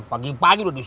pagi pagi udah di sini